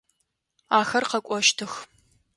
Ахэр къэкӏощтых.